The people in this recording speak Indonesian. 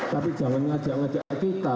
tapi jangan ngajak ngajak kita